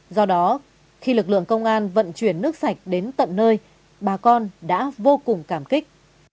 do đó khi lực lượng công an vận chuyển nước sạch đến tận nơi bà con đã vô cùng cảm kích